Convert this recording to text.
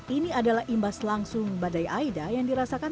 ini adalah imbas langsung badai aida yang dirasakan